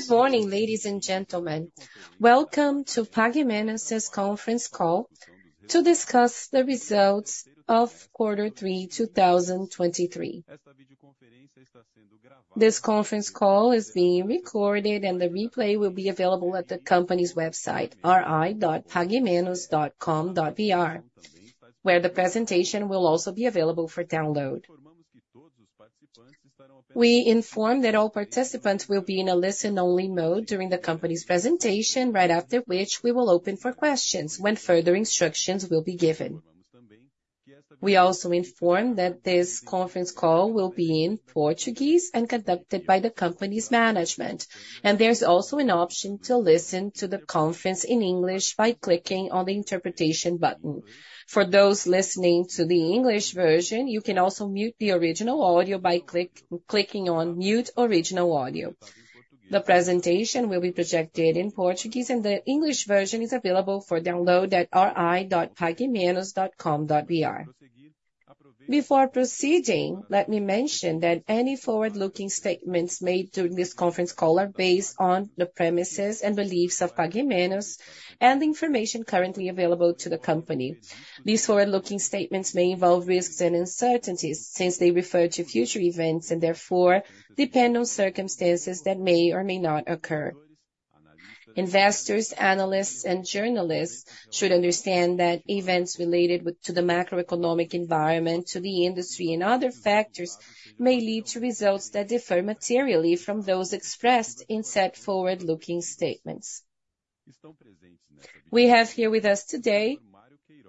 Good morning, ladies and gentlemen. Welcome to Pague Menos' conference call to discuss the results of quarter three, 2023. This conference call is being recorded, and the replay will be available at the company's website, ri.paguemenos.com.br, where the presentation will also be available for download. We inform that all participants will be in a listen-only mode during the company's presentation, right after which we will open for questions, when further instructions will be given. We also inform that this conference call will be in Portuguese and conducted by the company's management. There's also an option to listen to the conference in English by clicking on the interpretation button. For those listening to the English version, you can also mute the original audio by clicking on Mute Original Audio. The presentation will be projected in Portuguese, and the English version is available for download at ri.paguemenos.com.br. Before proceeding, let me mention that any forward-looking statements made during this conference call are based on the premises and beliefs of Pague Menos and the information currently available to the company. These forward-looking statements may involve risks and uncertainties since they refer to future events, and therefore depend on circumstances that may or may not occur. Investors, analysts, and journalists should understand that events related to the macroeconomic environment, to the industry, and other factors may lead to results that differ materially from those expressed in said forward-looking statements. We have here with us today,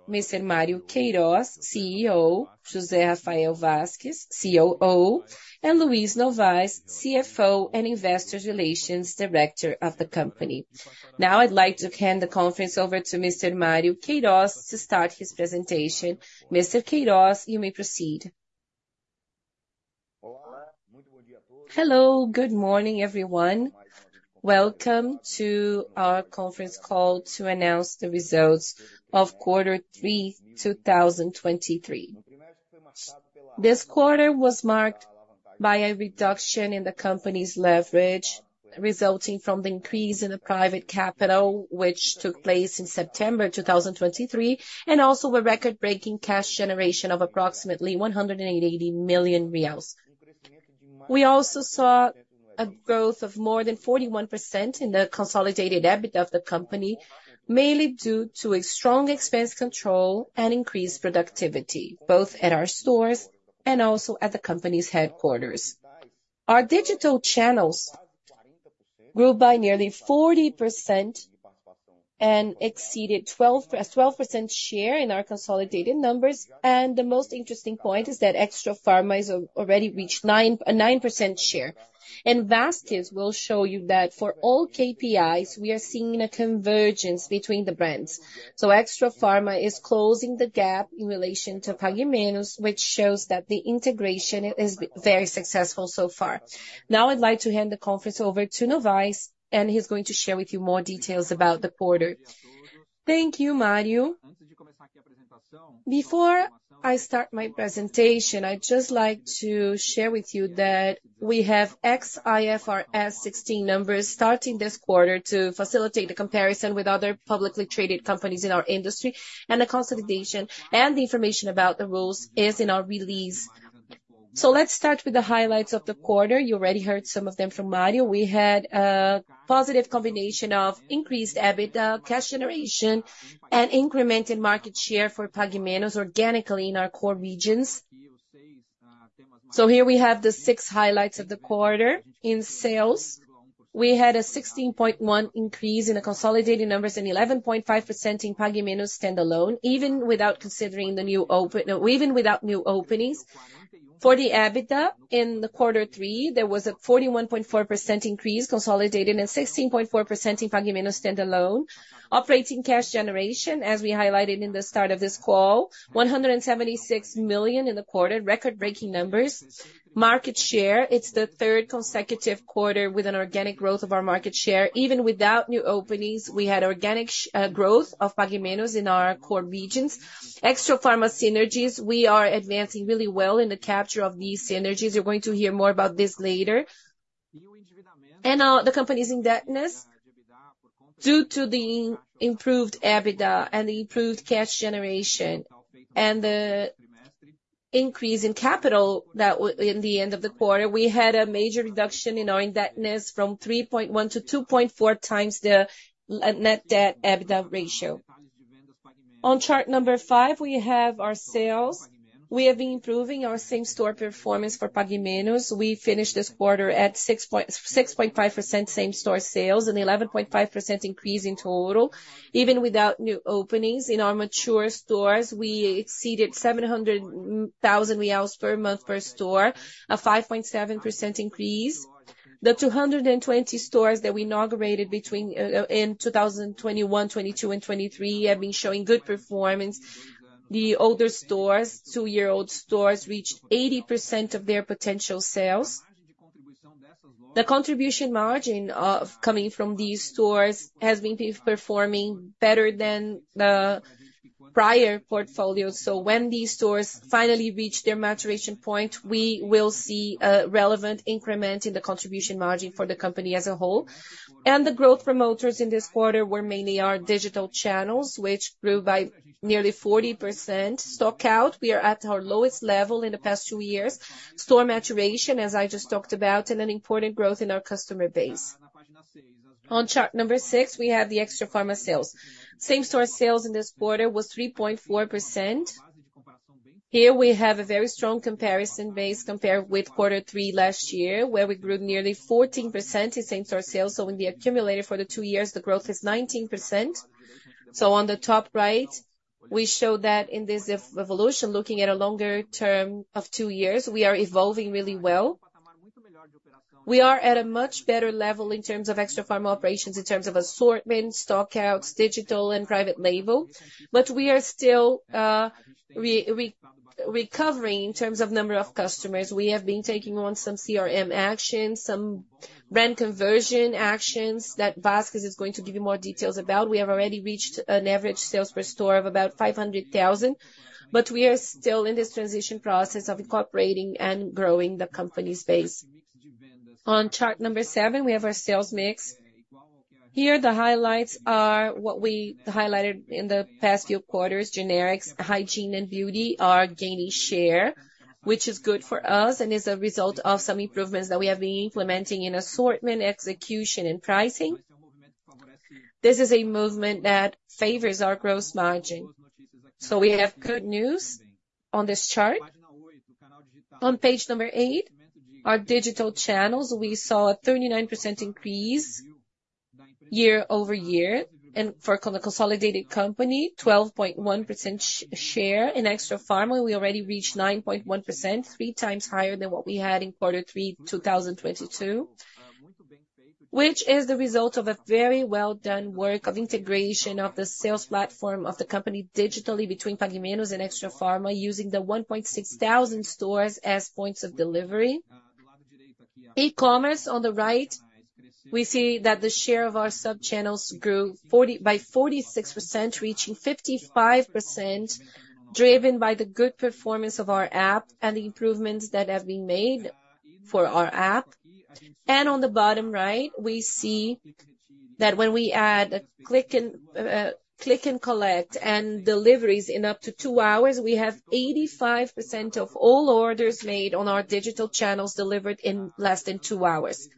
Mr. Mário Queirós, CEO, José Rafael Vasquez, COO, and Luiz Novais, CFO and Investor Relations Director of the company. Now, I'd like to hand the conference over to Mr. Mário Queirós to start his presentation. Mr. Queirós, you may proceed. Hello, good morning, everyone. Welcome to our conference call to announce the results of quarter three, 2023. This quarter was marked by a reduction in the company's leverage, resulting from the increase in the private capital, which took place in September 2023, and also a record-breaking cash generation of approximately BRL 180 million. We also saw a growth of more than 41% in the consolidated EBITDA of the company, mainly due to a strong expense control and increased productivity, both at our stores and also at the company's headquarters. Our digital channels grew by nearly 40% and exceeded 12, a 12% share in our consolidated numbers, and the most interesting point is that Extrafarma has already reached 9, a 9% share. And Vasquez will show you that for all KPIs, we are seeing a convergence between the brands. So Extrafarma is closing the gap in relation to Pague Menos, which shows that the integration is very successful so far. Now, I'd like to hand the conference over to Novais, and he's going to share with you more details about the quarter. Thank you, Mário. Before I start my presentation, I'd just like to share with you that we have IFRS 16 numbers starting this quarter to facilitate the comparison with other publicly traded companies in our industry, and the consolidation and the information about the rules is in our release. So let's start with the highlights of the quarter. You already heard some of them from Mário. We had a positive combination of increased EBITDA, cash generation, and incremented market share for Pague Menos organically in our core regions. So here we have the six highlights of the quarter. In sales, we had a 16.1% increase in the consolidated numbers and 11.5% in Pague Menos standalone, even without considering the new openings. For the EBITDA in quarter three, there was a 41.4% increase consolidated and 16.4% in Pague Menos standalone. Operating cash generation, as we highlighted in the start of this call, 176 million in the quarter, record-breaking numbers. Market share, it's the third consecutive quarter with an organic growth of our market share. Even without new openings, we had organic growth of Pague Menos in our core regions. Extrafarma synergies, we are advancing really well in the capture of these synergies. You're going to hear more about this later. The company's indebtedness, due to the improved EBITDA and the improved cash generation and the increase in capital that in the end of the quarter, we had a major reduction in our indebtedness from 3.1x to 2.4x Net Debt/EBITDA. On chart number five, we have our sales. We have been improving our same-store performance for Pague Menos. We finished this quarter at 6.5% same-store sales and 11.5% increase in total. Even without new openings in our mature stores, we exceeded 700,000 reais per month per store, a 5.7% increase. The 220 stores that we inaugurated between in 2021, 2022, and 2023, have been showing good performance. The older stores, two-year-old stores, reached 80% of their potential sales. The contribution margin coming from these stores has been performing better than the prior portfolios. When these stores finally reach their maturation point, we will see a relevant increment in the contribution margin for the company as a whole. The growth promoters in this quarter were mainly our digital channels, which grew by nearly 40%. Stockout, we are at our lowest level in the past two years. Store maturation, as I just talked about, and an important growth in our customer base. On chart number six, we have the Extrafarma sales. Same-store sales in this quarter was 3.4%. Here we have a very strong comparison base compared with quarter three last year, where we grew nearly 14% in same-store sales. In the accumulator for the two years, the growth is 19%. So on the top right, we show that in this evolution, looking at a longer term of two years, we are evolving really well. We are at a much better level in terms of Extrafarma operations, in terms of assortment, stockouts, digital and private label. But we are still recovering in terms of number of customers. We have been taking on some CRM actions, some brand conversion actions that Vasquez is going to give you more details about. We have already reached an average sales per store of about 500,000, but we are still in this transition process of incorporating and growing the company's base. On chart number seven, we have our sales mix. Here, the highlights are what we highlighted in the past few quarters: generics, hygiene and beauty are gaining share, which is good for us and is a result of some improvements that we have been implementing in assortment, execution and pricing. This is a movement that favors our gross margin. So we have good news on this chart. On page number eight, our digital channels, we saw a 39% increase year-over-year, and for the consolidated company, 12.1% share. In Extrafarma, we already reached 9.1%, 3x higher than what we had in quarter three, 2022, which is the result of a very well-done work of integration of the sales platform of the company digitally between Pague Menos and Extrafarma, using the 1,600 stores as points of delivery. E-commerce on the right, we see that the share of our sub-channels grew by 46%, reaching 55%, driven by the good performance of our app and the improvements that have been made for our app. On the bottom right, we see that when we add click and collect and deliveries in up to two hours, we have 85% of all orders made on our digital channels delivered in less than two hours.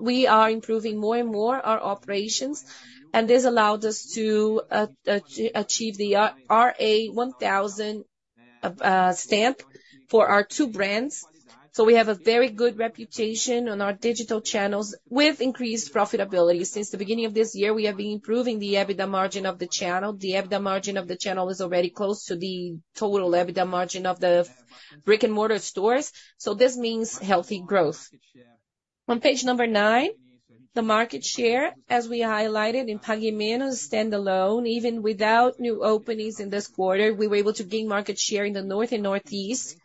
We are improving more and more our operations, and this allowed us to achieve the RA1000 stamp for our two brands. So we have a very good reputation on our digital channels with increased profitability. Since the beginning of this year, we have been improving the EBITDA margin of the channel. The EBITDA margin of the channel is already close to the total EBITDA margin of the brick-and-mortar stores, so this means healthy growth. On page nine, the market share, as we highlighted in Pague Menos standalone, even without new openings in this quarter, we were able to gain market share in the North and Northeast.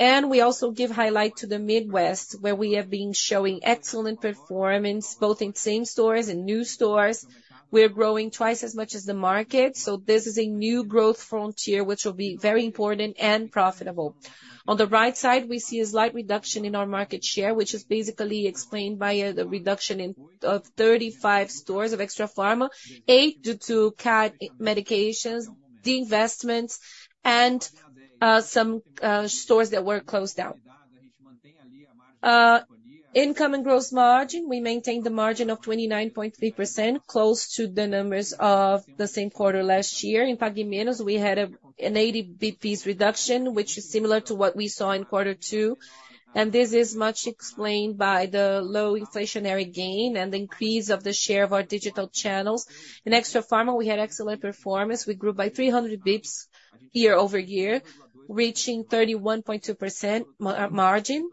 We also give highlight to the Midwest, where we have been showing excellent performance, both in same stores and new stores. We are growing twice as much as the market, so this is a new growth frontier, which will be very important and profitable. On the right side, we see a slight reduction in our market share, which is basically explained by the reduction of 35 stores of Extrafarma, eight due to CADE medications, divestments, and some stores that were closed down. Income and gross margin, we maintained the margin of 29.3%, close to the numbers of the same quarter last year. In Pague Menos, we had an 80 basis points reduction, which is similar to what we saw in quarter two, and this is much explained by the low inflationary gain and the increase of the share of our digital channels. In Extrafarma, we had excellent performance. We grew by 300 basis points year-over-year, reaching 31.2% margin.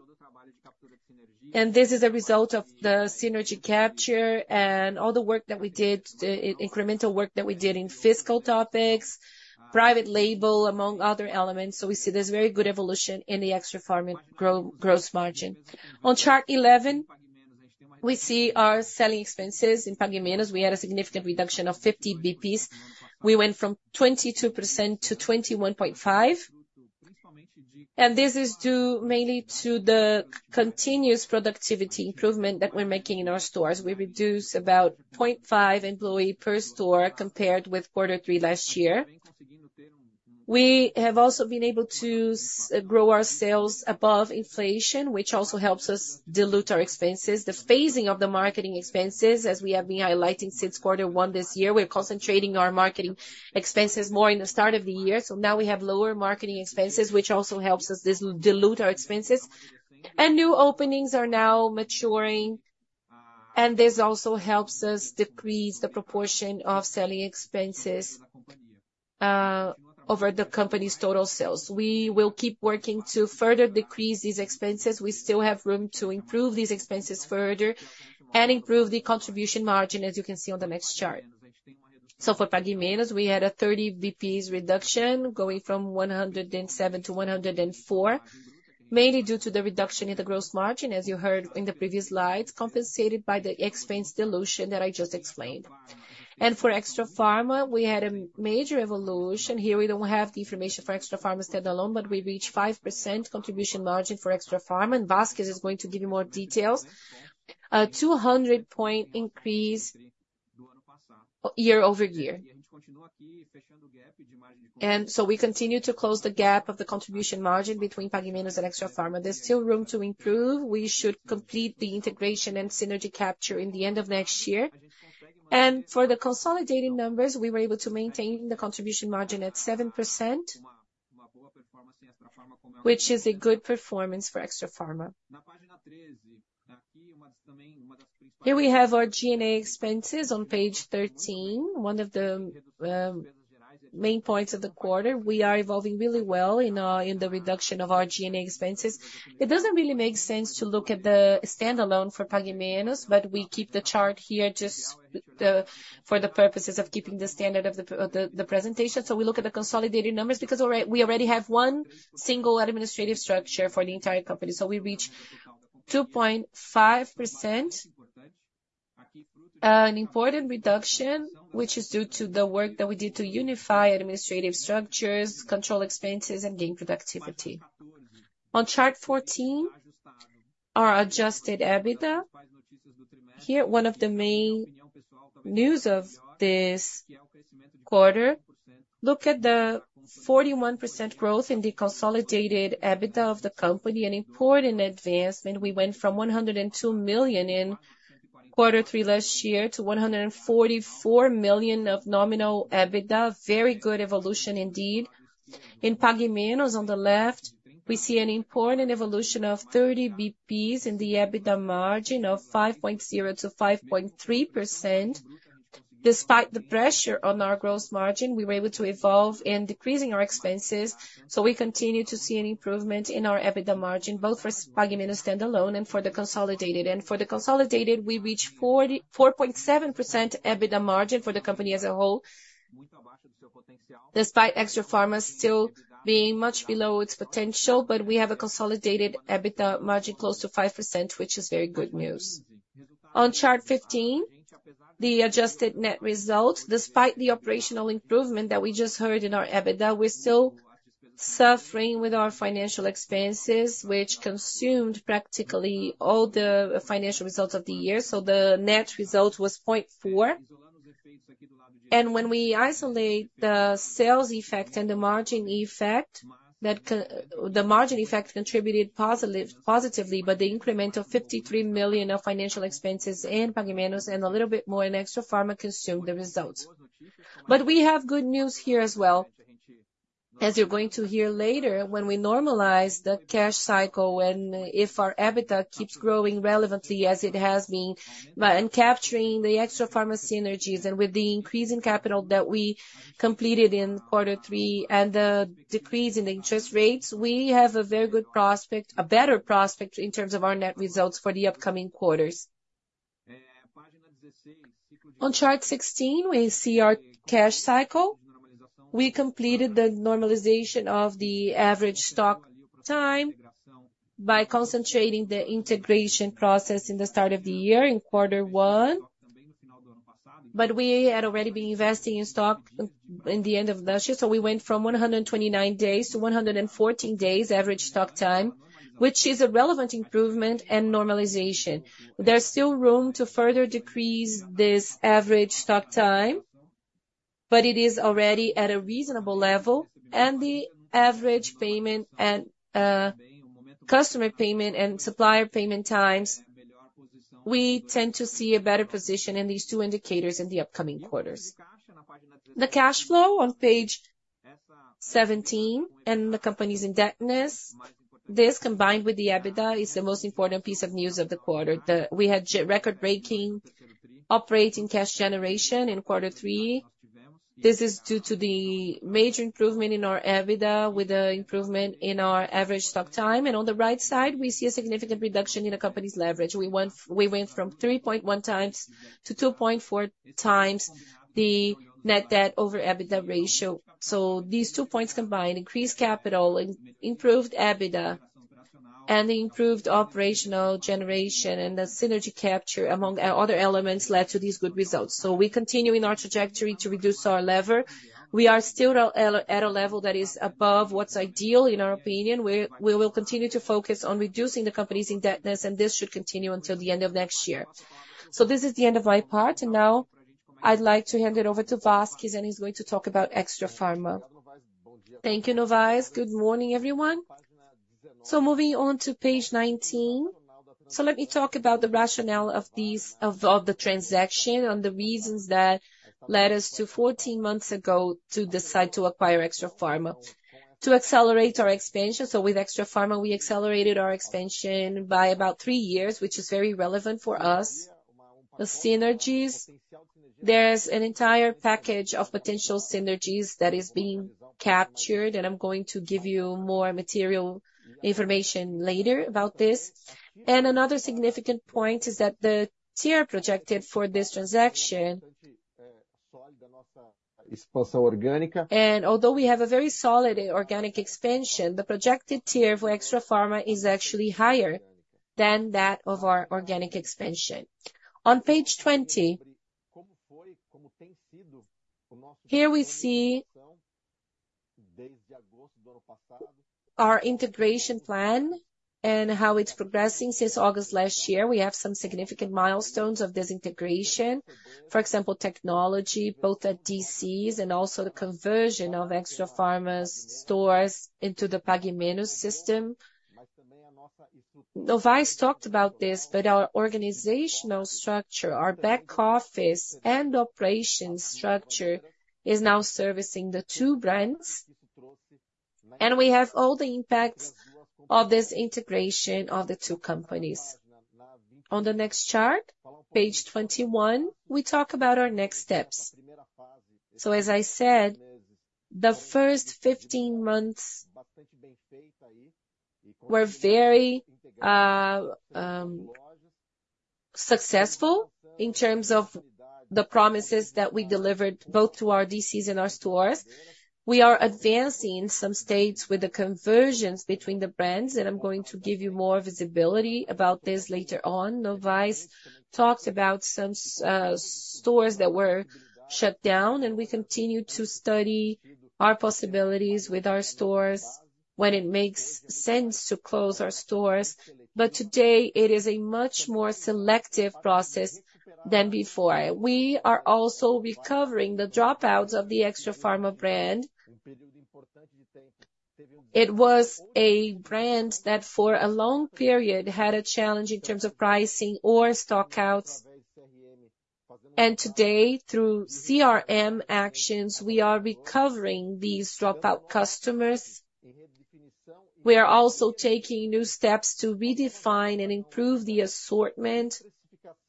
And this is a result of the synergy capture and all the work that we did, the incremental work that we did in fiscal topics, private label, among other elements. So we see there's very good evolution in the Extrafarma gross margin. On chart 11, we see our selling expenses in Pague Menos. We had a significant reduction of 50 basis points. We went from 22% to 21.5%, and this is due mainly to the continuous productivity improvement that we're making in our stores. We reduced about 0.5 employee per store compared with quarter three last year. We have also been able to grow our sales above inflation, which also helps us dilute our expenses. The phasing of the marketing expenses, as we have been highlighting since quarter one this year, we are concentrating our marketing expenses more in the start of the year. So now we have lower marketing expenses, which also helps us dilute our expenses. And new openings are now maturing, and this also helps us decrease the proportion of selling expenses over the company's total sales. We will keep working to further decrease these expenses. We still have room to improve these expenses further and improve the contribution margin, as you can see on the next chart. So for Pague Menos, we had a 30 basis points reduction, going from 107 to 104, mainly due to the reduction in the gross margin, as you heard in the previous slide, compensated by the expense dilution that I just explained. And for Extrafarma, we had a major evolution. Here, we don't have the information for Extrafarma standalone, but we reached 5% contribution margin for Extrafarma, and Vasquez is going to give you more details. 200-point increase, year-over-year. And so we continue to close the gap of the contribution margin between Pague Menos and Extrafarma. There's still room to improve. We should complete the integration and synergy capture in the end of next year. For the consolidated numbers, we were able to maintain the contribution margin at 7%, which is a good performance for Extrafarma. Here we have our G&A expenses on page 13, one of the main points of the quarter. We are evolving really well in the reduction of our G&A expenses. It doesn't really make sense to look at the standalone for Pague Menos, but we keep the chart here just for the purposes of keeping the standard of the presentation. So we look at the consolidated numbers, because we already have one single administrative structure for the entire company. So we reach 2.5%, an important reduction, which is due to the work that we did to unify administrative structures, control expenses, and gain productivity. On chart 14, our adjusted EBITDA. Here, one of the main news of this quarter, look at the 41% growth in the consolidated EBITDA of the company, an important advancement. We went from 102 million in quarter three last year to 144 million of nominal EBITDA. Very good evolution, indeed. In Pague Menos, on the left, we see an important evolution of 30 basis points in the EBITDA margin of 5.0%-5.3%. Despite the pressure on our gross margin, we were able to evolve in decreasing our expenses, so we continue to see an improvement in our EBITDA margin, both for Pague Menos standalone and for the consolidated. For the consolidated, we reach 44.7% EBITDA margin for the company as a whole, despite Extrafarma still being much below its potential, but we have a consolidated EBITDA margin close to 5%, which is very good news. On chart 15, the adjusted net result. Despite the operational improvement that we just heard in our EBITDA, we're still suffering with our financial expenses, which consumed practically all the financial results of the year, so the net result was 0.4. When we isolate the sales effect and the margin effect, the margin effect contributed positively, but the increment of 53 million of financial expenses in Pague Menos and a little bit more in Extrafarma consumed the results. But we have good news here as well. As you're going to hear later, when we normalize the cash cycle and if our EBITDA keeps growing relevantly as it has been, but in capturing the Extrafarma synergies and with the increase in capital that we completed in quarter three and the decrease in interest rates, we have a very good prospect, a better prospect in terms of our net results for the upcoming quarters. On chart 16, we see our cash cycle. We completed the normalization of the average stock time by concentrating the integration process in the start of the year, in quarter one. But we had already been investing in stock in the end of last year, so we went from 129 days to 114 days average stock time, which is a relevant improvement and normalization. There's still room to further decrease this average stock time, but it is already at a reasonable level, and the average payment and customer payment and supplier payment times, we tend to see a better position in these two indicators in the upcoming quarters. The cash flow on page 17 and the company's indebtedness, this, combined with the EBITDA, is the most important piece of news of the quarter. We had record-breaking operating cash generation in quarter three. This is due to the major improvement in our EBITDA, with the improvement in our average stock time. And on the right side, we see a significant reduction in the company's leverage. We went, we went from 3.1x to 2.4x the Net Debt/EBITDA ratio. So these two points combined, increased capital, improved EBITDA and improved operational generation and the synergy capture among other elements, led to these good results. So we continue in our trajectory to reduce our leverage. We are still at a level that is above what's ideal, in our opinion. We will continue to focus on reducing the company's indebtedness, and this should continue until the end of next year. So this is the end of my part, and now I'd like to hand it over to Vasquez, and he's going to talk about Extrafarma. Thank you, Novais. Good morning, everyone. So moving on to page 19. So let me talk about the rationale of these, of the transaction and the reasons that led us to 14 months ago to decide to acquire Extrafarma. To accelerate our expansion, so with Extrafarma, we accelerated our expansion by about three years, which is very relevant for us. The synergies, there's an entire package of potential synergies that is being captured, and I'm going to give you more material information later about this. Another significant point is that the IRR projected for this transaction. Although we have a very solid organic expansion, the projected IRR for Extrafarma is actually higher than that of our organic expansion. On page 20, here we see our integration plan and how it's progressing since August last year. We have some significant milestones of this integration. For example, technology, both at DCs and also the conversion of Extrafarma's stores into the Pague Menos system. Novais talked about this, but our organizational structure, our back office and operations structure, is now servicing the two brands, and we have all the impacts of this integration of the two companies. On the next chart, page 21, we talk about our next steps. So as I said, the first 15 months were very successful in terms of the promises that we delivered both to our DCs and our stores. We are advancing some states with the conversions between the brands, and I'm going to give you more visibility about this later on. Novais talked about some stores that were shut down, and we continue to study our possibilities with our stores when it makes sense to close our stores. But today it is a much more selective process than before. We are also recovering the dropouts of the Extrafarma brand. It was a brand that, for a long period, had a challenge in terms of pricing or stock outs, and today, through CRM actions, we are recovering these dropout customers. We are also taking new steps to redefine and improve the assortment.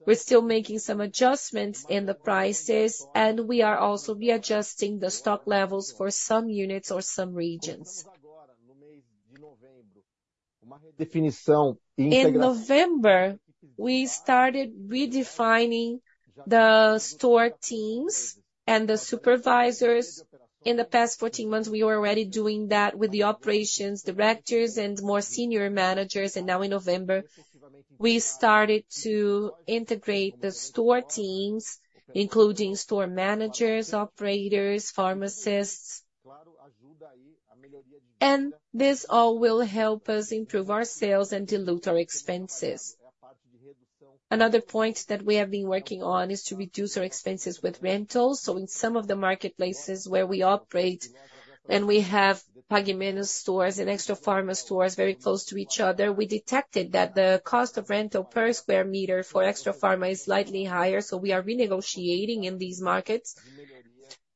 We're still making some adjustments in the prices, and we are also readjusting the stock levels for some units or some regions. In November, we started redefining the store teams and the supervisors. In the past 14 months, we were already doing that with the operations directors and more senior managers, and now in November, we started to integrate the store teams, including store managers, operators, pharmacists. This all will help us improve our sales and dilute our expenses. Another point that we have been working on is to reduce our expenses with rentals. So in some of the marketplaces where we operate and we have Pague Menos stores and Extrafarma stores very close to each other, we detected that the cost of rental per square meter for Extrafarma is slightly higher. So we are renegotiating in these markets,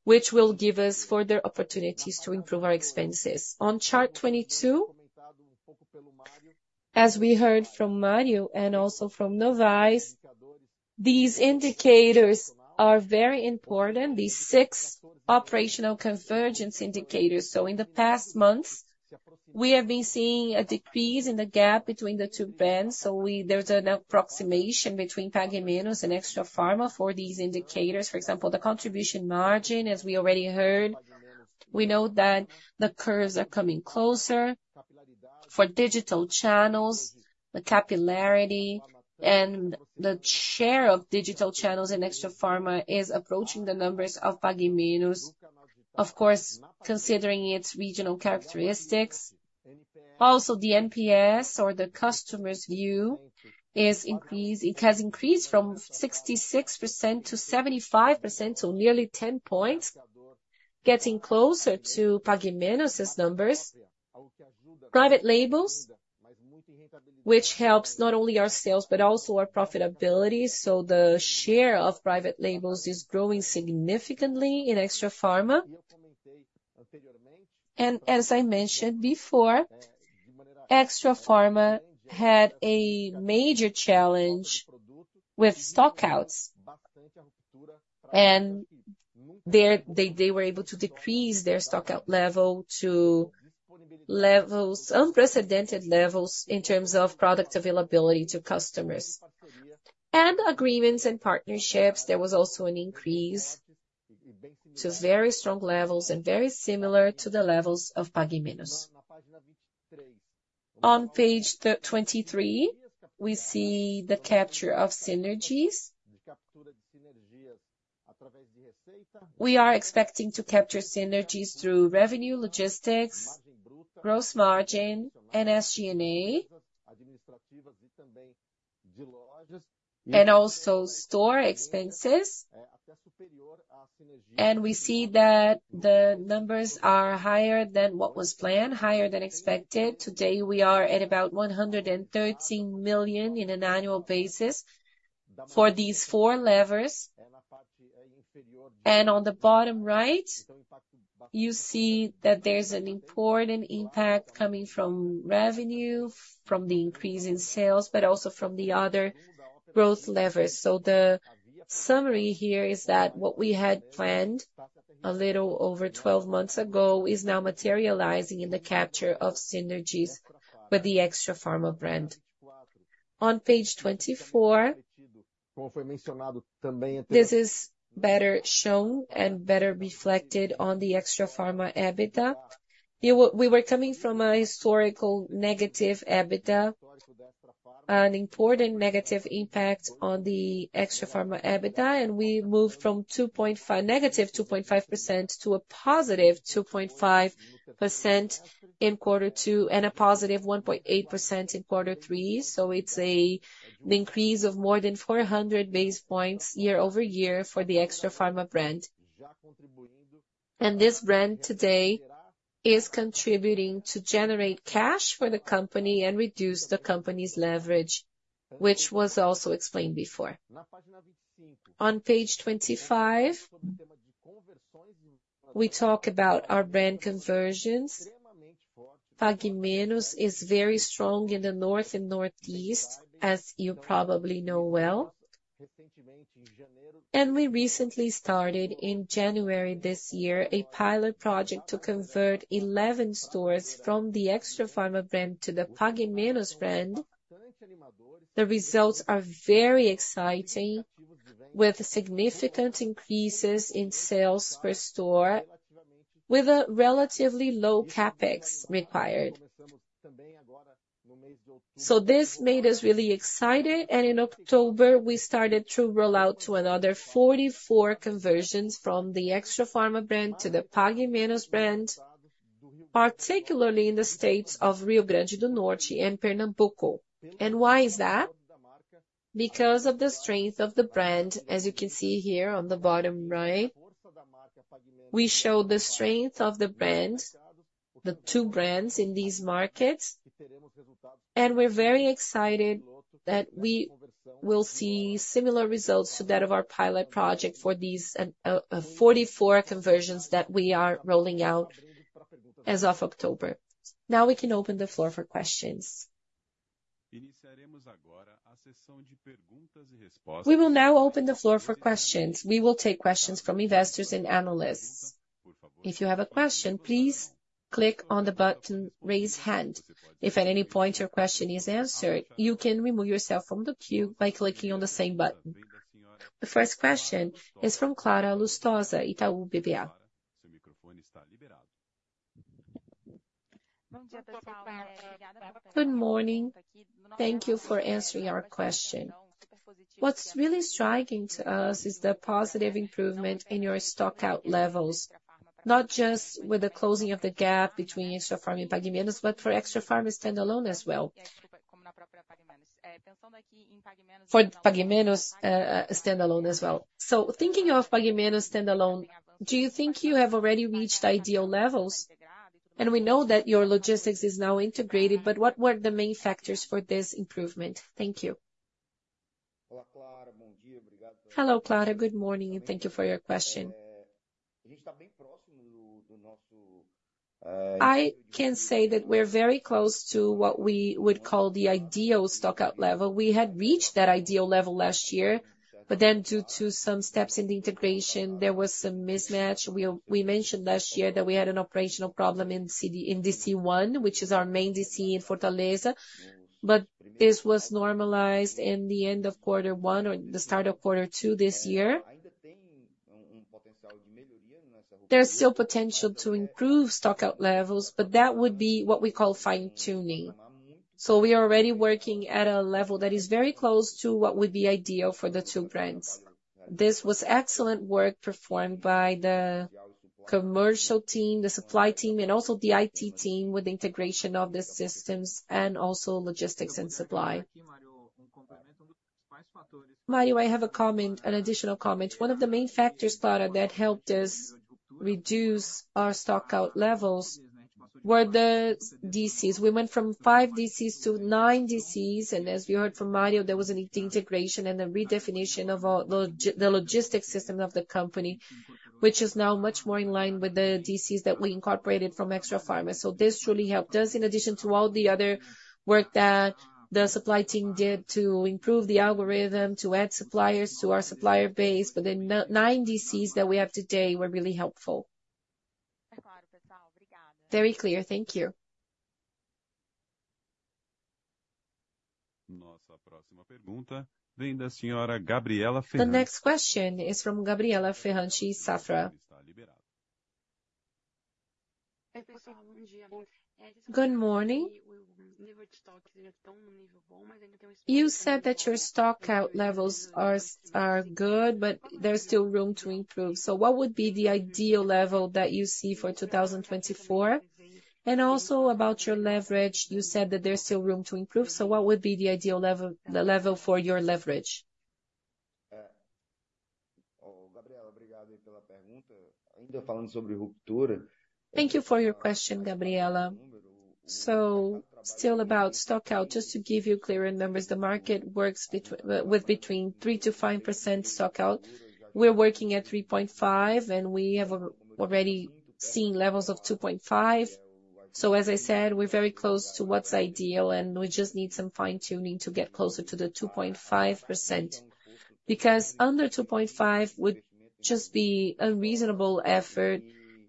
which will give us further opportunities to improve our expenses. On chart 22, as we heard from Mário and also from Novais, these indicators are very important, these six operational convergence indicators. So in the past months, we have been seeing a decrease in the gap between the two brands. So there's an approximation between Pague Menos and Extrafarma for these indicators. For example, the contribution margin, as we already heard, we know that the curves are coming closer. For digital channels, the capillarity and the share of digital channels in Extrafarma is approaching the numbers of Pague Menos, of course, considering its regional characteristics. Also, the NPS or the customer's view is increased. It has increased from 66% to 75%, so nearly 10 points, getting closer to Pague Menos' numbers. Private labels, which helps not only our sales, but also our profitability. So the share of private labels is growing significantly in Extrafarma. And as I mentioned before, Extrafarma had a major challenge with stockouts, and they were able to decrease their stockout level to levels, unprecedented levels in terms of product availability to customers. And agreements and partnerships, there was also an increase to very strong levels and very similar to the levels of Pague Menos. On page 23, we see the capture of synergies. We are expecting to capture synergies through revenue, logistics, gross margin, and SG&A, and also store expenses. And we see that the numbers are higher than what was planned, higher than expected. Today, we are at about 113 million on an annual basis for these four levers. And on the bottom right, you see that there's an important impact coming from revenue, from the increase in sales, but also from the other growth levers. So the summary here is that what we had planned a little over 12 months ago is now materializing in the capture of synergies with the Extrafarma brand. On page 24, this is better shown and better reflected on the Extrafarma EBITDA. We were coming from a historical negative EBITDA, an important negative impact on the Extrafarma EBITDA, and we moved from -2.5% to +2.5% in quarter two, and +1.8% in quarter three. So it's a, the increase of more than 400 basis points year-over-year for the Extrafarma brand. This brand today is contributing to generate cash for the company and reduce the company's leverage, which was also explained before. On page 25, we talk about our brand conversions. Pague Menos is very strong in the North and Northeast, as you probably know well. We recently started in January this year, a pilot project to convert 11 stores from the Extrafarma brand to the Pague Menos brand. The results are very exciting, with significant increases in sales per store, with a relatively low CapEx required. So this made us really excited, and in October, we started to roll out to another 44 conversions from the Extrafarma brand to the Pague Menos brand, particularly in the states of Rio Grande do Norte and Pernambuco. And why is that? Because of the strength of the brand, as you can see here on the bottom right, we show the strength of the brand, the two brands in these markets, and we're very excited that we will see similar results to that of our pilot project for these 44 conversions that we are rolling out as of October. Now we can open the floor for questions. We will now open the floor for questions. We will take questions from investors and analysts. If you have a question, please click on the button, Raise Hand. If at any point your question is answered, you can remove yourself from the queue by clicking on the same button. The first question is from Clara Lustosa, Itaú BBA. Good morning. Thank you for answering our question. What's really striking to us is the positive improvement in your stockout levels, not just with the closing of the gap between Extrafarma and Pague Menos, but for Extrafarma standalone as well. For Pague Menos standalone as well. So thinking of Pague Menos standalone, do you think you have already reached ideal levels? And we know that your logistics is now integrated, but what were the main factors for this improvement? Thank you. Hello, Clara. Good morning, and thank you for your question. I can say that we're very close to what we would call the ideal stockout level. We had reached that ideal level last year, but then due to some steps in the integration, there was some mismatch. We mentioned last year that we had an operational problem in CD, in DC one, which is our main DC in Fortaleza, but this was normalized in the end of quarter one or the start of quarter two this year. There's still potential to improve stockout levels, but that would be what we call fine-tuning. So we are already working at a level that is very close to what would be ideal for the two brands. This was excellent work performed by the commercial team, the supply team, and also the IT team with the integration of the systems and also logistics and supply. Mário, I have a comment, an additional comment. One of the main factors, Clara, that helped us reduce our stockout levels were the DCs. We went from 5 DCs to 9 DCs, and as we heard from Mario, there was an integration and a redefinition of our logistics system of the company, which is now much more in line with the DCs that we incorporated from Extrafarma. So this truly helped us, in addition to all the other work that the supply team did to improve the algorithm, to add suppliers to our supplier base. But the nine DCs that we have today were really helpful. Very clear. Thank you. The next question is from Gabriela Ferrante, Safra. Good morning. You said that your stockout levels are, are good, but there's still room to improve. So what would be the ideal level that you see for 2024? Also about your leverage, you said that there's still room to improve, so what would be the ideal level, the level for your leverage? Thank you for your question, Gabriela. So still about stockout, just to give you clearer numbers, the market works with between 3%-5% stockout. We're working at 3.5%, and we have already seen levels of 2.5%. So as I said, we're very close to what's ideal, and we just need some fine-tuning to get closer to the 2.5%, because under 2.5% would just be a reasonable effort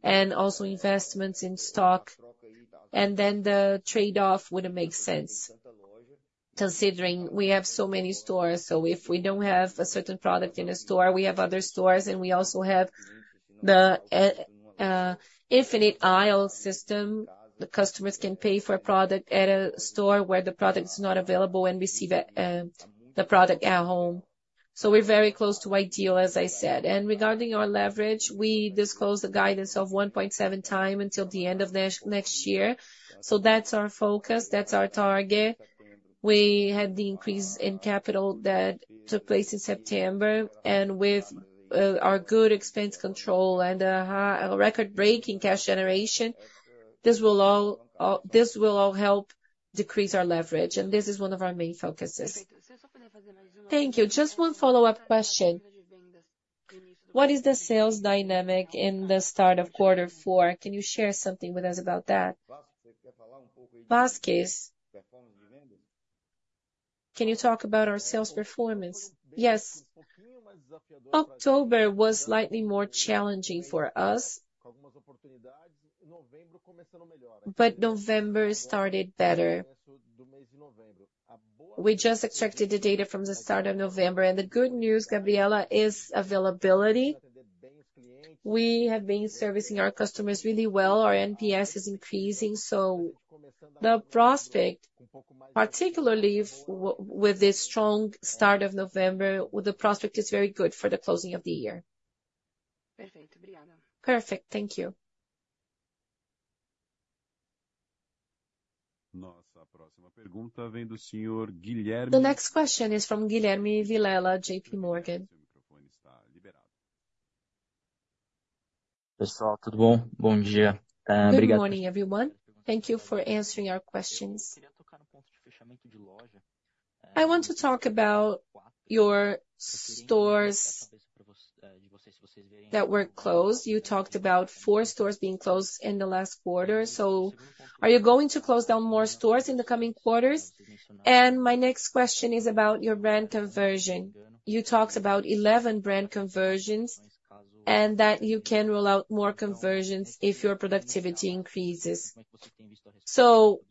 and also investments in stock, and then the trade-off wouldn't make sense, considering we have so many stores. So if we don't have a certain product in a store, we have other stores, and we also have the Infinite Aisle system. The customers can pay for a product at a store where the product is not available and receive it, the product at home. So we're very close to ideal, as I said. Regarding our leverage, we disclosed a guidance of 1.7x until the end of next year. So that's our focus, that's our target. We had the increase in capital that took place in September, and with our good expense control and a record-breaking cash generation, this will all help decrease our leverage, and this is one of our main focuses. Thank you. Just one follow-up question: What is the sales dynamic in the start of quarter four? Can you share something with us about that? Vasquez, can you talk about our sales performance? Yes. October was slightly more challenging for us, but November started better. We just extracted the data from the start of November, and the good news, Gabriela, is availability. We have been servicing our customers really well. Our NPS is increasing, so the prospect, particularly with, with the strong start of November, well, the prospect is very good for the closing of the year. Perfect. Thank you. The next question is from Guilherme Vilela, JPMorgan. Good morning, everyone. Thank you for answering our questions. I want to talk about your stores that were closed. You talked about four stores being closed in the last quarter, so are you going to close down more stores in the coming quarters? And my next question is about your brand conversion. You talked about 11 brand conversions and that you can roll out more conversions if your productivity increases. So,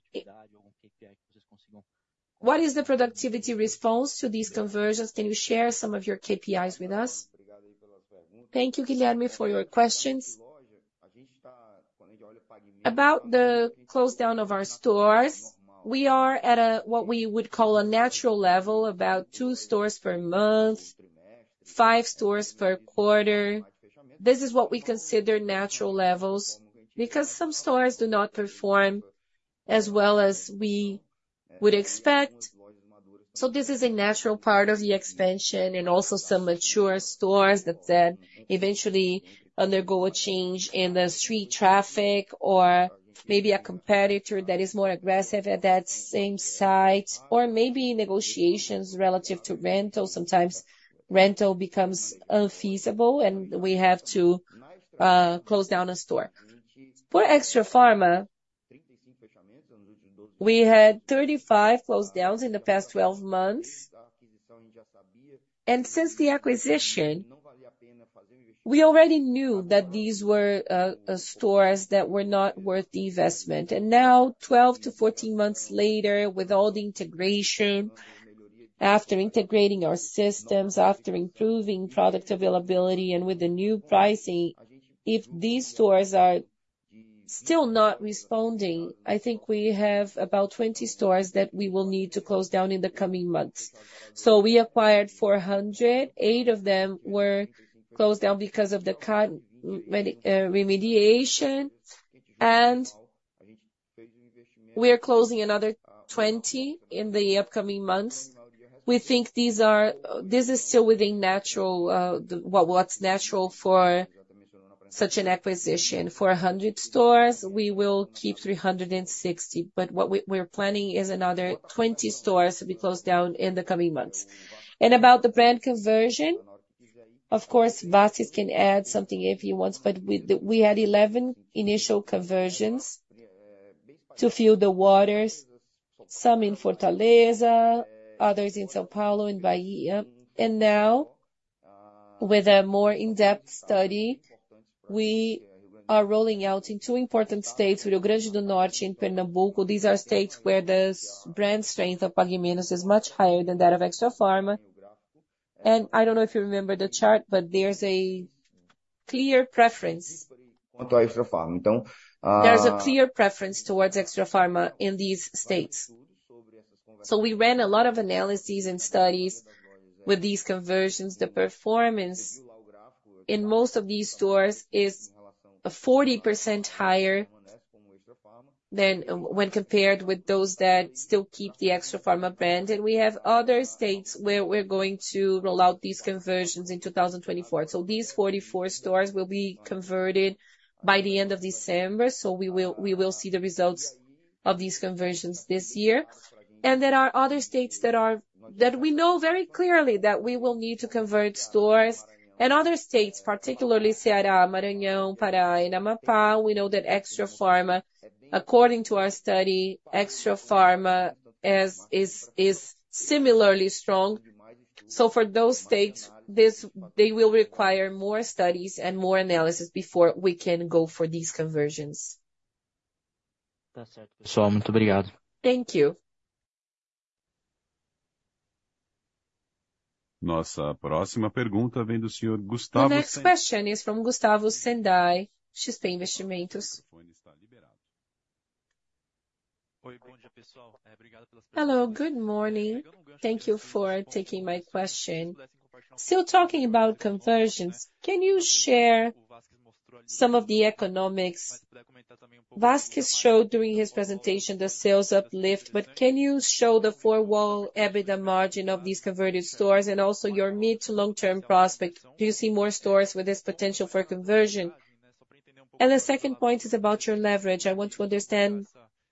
what is the productivity response to these conversions? Can you share some of your KPIs with us? Thank you, Guilherme, for your questions. About the close down of our stores, we are at a, what we would call a natural level, about two stores per month, five stores per quarter. This is what we consider natural levels, because some stores do not perform as well as we would expect. So this is a natural part of the expansion and also some mature stores that then eventually undergo a change in the street traffic, or maybe a competitor that is more aggressive at that same site, or maybe negotiations relative to rental. Sometimes rental becomes unfeasible and we have to, close down a store. For Extrafarma, we had 35 close downs in the past 12 months, and since the acquisition, we already knew that these were, stores that were not worth the investment. And now, 12-14 months later, with all the integration, after integrating our systems, after improving product availability and with the new pricing, if these stores are still not responding, I think we have about 20 stores that we will need to close down in the coming months. So we acquired 400, eight of them were closed down because of the contamination remediation, and we are closing another 20 in the upcoming months. We think these are still within what's natural for such an acquisition. 400 stores, we will keep 360, but what we, we're planning is another 20 stores to be closed down in the coming months. And about the brand conversion, of course, Vasquez can add something if he wants, but we, we had 11 initial conversions to feel the waters, some in Fortaleza, others in São Paulo and Bahia. And now, with a more in-depth study, we are rolling out in two important states, Rio Grande do Norte and Pernambuco. These are states where the brand strength of Pague Menos is much higher than that of Extrafarma. I don't know if you remember the chart, but there's a clear preference. There's a clear preference towards Extrafarma in these states. So we ran a lot of analyses and studies with these conversions. The performance in most of these stores is 40% higher than when compared with those that still keep the Extrafarma brand. And we have other states where we're going to roll out these conversions in 2024. So these 44 stores will be converted by the end of December. So we will, we will see the results of these conversions this year. And there are other states that we know very clearly that we will need to convert stores and other states, particularly Ceará, Maranhão, Pará, and Amapá. We know that Extrafarma, according to our study, Extrafarma as is, is similarly strong. So for those states, they will require more studies and more analysis before we can go for these conversions. That's it. So, muito obrigado. Thank you. Nossa, próxima pergunta vem do senhor Gustavo- The next question is from Gustavo Senday, XP Investimentos. Your microphone is now liberated. Oi, bom dia, pessoal. É, obrigado pelas- Hello, good morning. Thank you for taking my question. Still talking about conversions, can you share some of the economics? Vasquez showed during his presentation the sales uplift, but can you show the Four-Wall EBITDA margin of these converted stores and also your mid- to long-term prospect? Do you see more stores with this potential for conversion? And the second point is about your leverage. I want to understand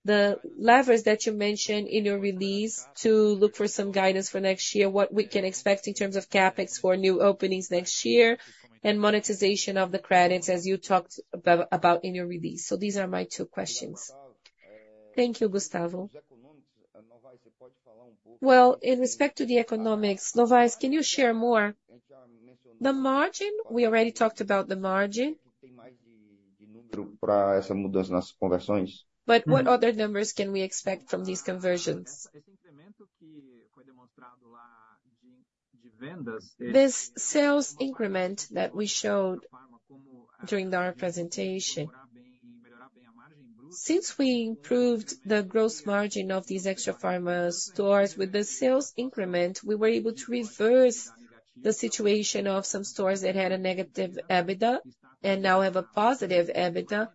the leverage that you mentioned in your release to look for some guidance for next year, what we can expect in terms of CapEx for new openings next year, and monetization of the credits, as you talked about in your release. So these are my two questions. Thank you, Gustavo. Well, in respect to the economics, Novais, can you share more? The margin, we already talked about the margin. But what other numbers can we expect from these conversions? This sales increment that we showed during our presentation, since we improved the gross margin of these Extrafarma stores with the sales increment, we were able to reverse the situation of some stores that had a negative EBITDA and now have a positive EBITDA.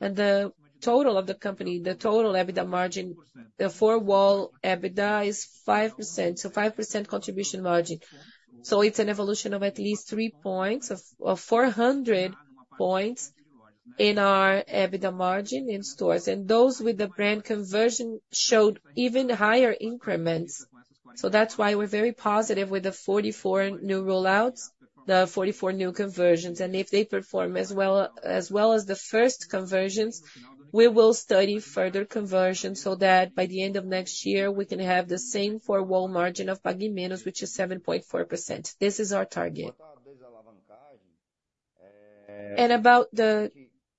And the total of the company, the total EBITDA margin, the Four-Wall EBITDA is 5%. So 5% contribution margin. So it's an evolution of at least 3 points of 400 points in our EBITDA margin in stores, and those with the brand conversion showed even higher increments. So that's why we're very positive with the 44 new rollouts, the 44 new conversions. If they perform as well as the first conversions, we will study further conversions so that by the end of next year, we can have the same four-wall margin of Pague Menos, which is 7.4%. This is our target. About the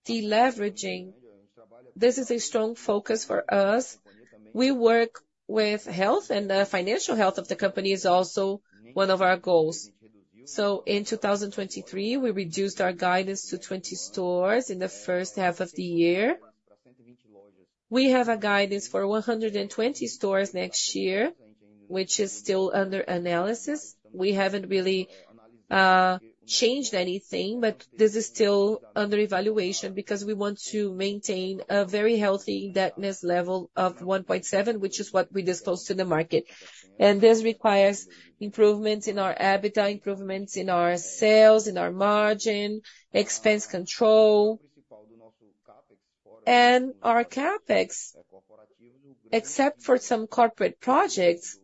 deleveraging, this is a strong focus for us. We work with health, and the financial health of the company is also one of our goals. In 2023, we reduced our guidance to 20 stores in the first half of the year. We have a guidance for 120 stores next year, which is still under analysis. We haven't really changed anything, but this is still under evaluation because we want to maintain a very healthy indebtedness level of 1.7, which is what we disclosed to the market. This requires improvements in our EBITDA, improvements in our sales, in our margin, expense control and our CapEx. Except for some corporate projects,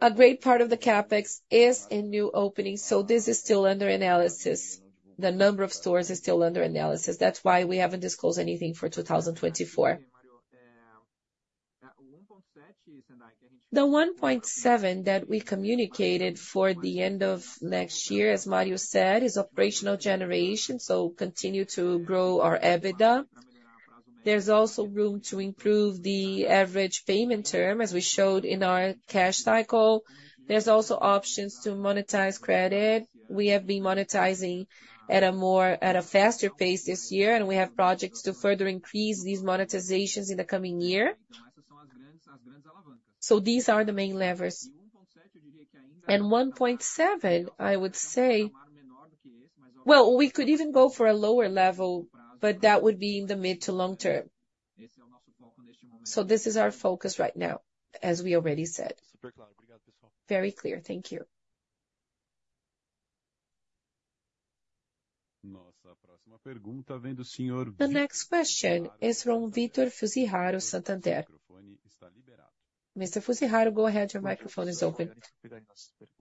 a great part of the CapEx is in new openings, so this is still under analysis. The number of stores is still under analysis. That's why we haven't disclosed anything for 2024. The 1.7 that we communicated for the end of next year, as Mário said, is operational generation, so continue to grow our EBITDA. There's also room to improve the average payment term, as we showed in our cash cycle. There's also options to monetize credit. We have been monetizing at a faster pace this year, and we have projects to further increase these monetizations in the coming year. So these are the main levers. And 1.7, I would say, well, we could even go for a lower level, but that would be in the mid to long term. This is our focus right now, as we already said. Very clear. Thank you. Nossa, próxima pergunta vem do senhor- The next question is from Vitor Fuziharo, Santander. Your microphone is now liberated. Mr. Fuziharo, go ahead. Your microphone is open.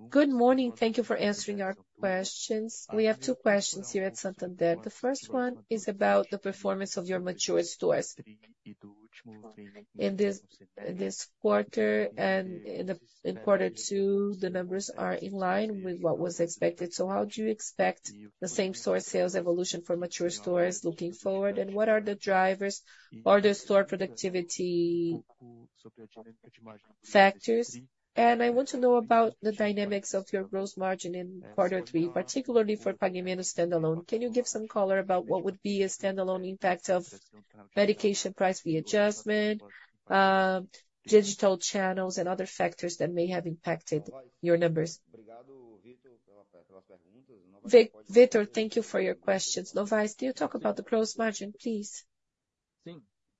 Good morning. Thank you for answering our questions. We have two questions here at Santander. The first one is about the performance of your mature stores. In this quarter and in quarter two, the numbers are in line with what was expected. So how do you expect the same store sales evolution for mature stores looking forward? And what are the drivers or the store productivity factors? And I want to know about the dynamics of your gross margin in quarter three, particularly for Pague Menos standalone. Can you give some color about what would be a standalone impact of medication price fee adjustment, digital channels, and other factors that may have impacted your numbers? Vitor, thank you for your questions. Novais, do you talk about the gross margin, please?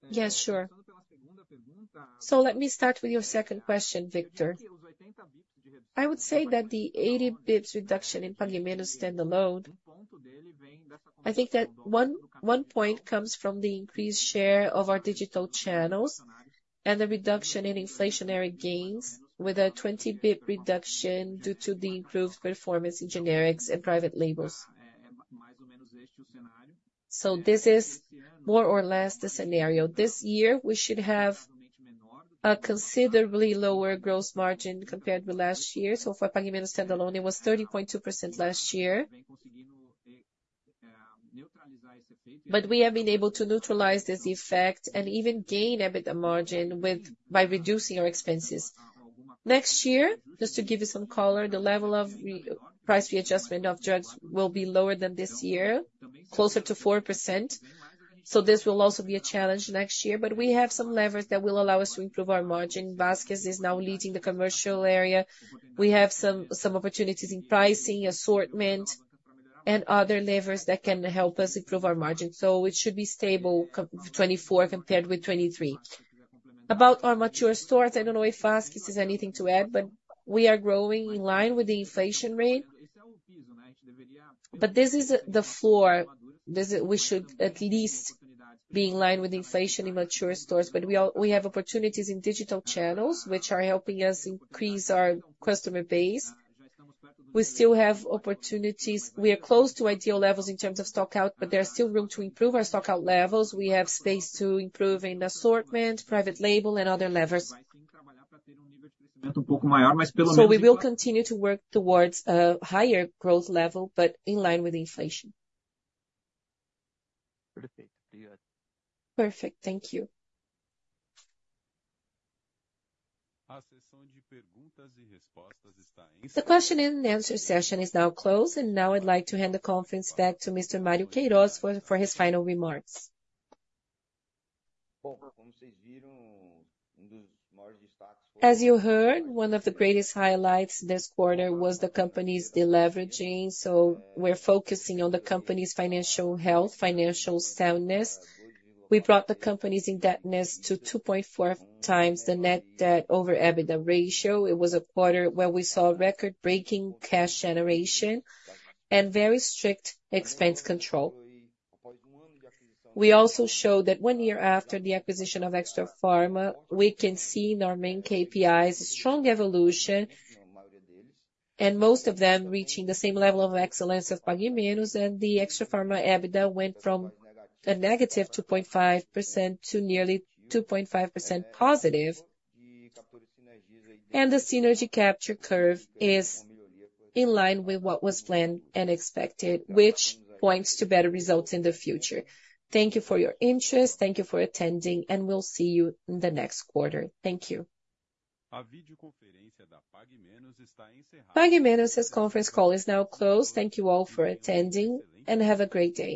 Yes, sure. So let me start with your second question, Vitor. I would say that the 80 basis points reduction in Pague Menos standalone, I think that one point comes from the increased share of our digital channels and the reduction in inflationary gains, with a 20 basis points reduction due to the improved performance in generics and private labels. So this is more or less the scenario. This year, we should have a considerably lower gross margin compared with last year. So for Pague Menos standalone, it was 30.2% last year. But we have been able to neutralize this effect and even gain EBITDA margin with by reducing our expenses. Next year, just to give you some color, the level of re-price readjustment of drugs will be lower than this year, closer to 4%. So this will also be a challenge next year, but we have some leverage that will allow us to improve our margin. Vasquez is now leading the commercial area. We have some, some opportunities in pricing, assortment, and other levers that can help us improve our margin. So it should be stable in 2024 compared with 2023. About our mature stores, I don't know if Vasquez has anything to add, but we are growing in line with the inflation rate. But this is the floor. This, we should at least be in line with inflation in mature stores. But we have opportunities in digital channels, which are helping us increase our customer base. We still have opportunities. We are close to ideal levels in terms of stockout, but there are still room to improve our stockout levels. We have space to improve in assortment, private label and other levers. We will continue to work towards a higher growth level, but in line with inflation. Perfect. Thank you. The question and answer session is now closed, and now I'd like to hand the conference back to Mr. Mário Queirós for his final remarks. As you heard, one of the greatest highlights this quarter was the company's deleveraging, so we're focusing on the company's financial health, financial soundness. We brought the company's indebtedness to 2.4x the Net Debt/EBITDA ratio. It was a quarter where we saw record-breaking cash generation and very strict expense control. We also showed that one year after the acquisition of Extrafarma, we can see in our main KPIs a strong evolution, and most of them reaching the same level of excellence of Pague Menos. And the Extrafarma EBITDA went from a negative 2.5% to nearly 2.5% positive. And the synergy capture curve is in line with what was planned and expected, which points to better results in the future. Thank you for your interest. Thank you for attending, and we'll see you in the next quarter. Thank you. Pague Menos's conference call is now closed. Thank you all for attending, and have a great day.